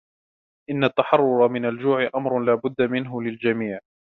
إن التحرر من الجوع أمر لا بد منه للجميع.